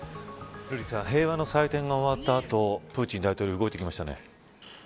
瑠麗さん平和の祭典が終わった後プーチン大統領動いてきましたね。